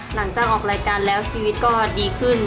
หลังจากออกรายการแล้วชีวิตก็ดีขึ้น